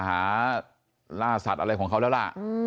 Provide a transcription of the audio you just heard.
ล่าสัตว์อะไรของเขาแล้วล่ะ